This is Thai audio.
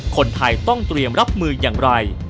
คนไทยต้องเตรียมรับมืออย่างไร